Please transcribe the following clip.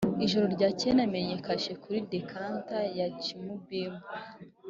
ijoro ryakeye namennye kashe kuri decanter ya jim beam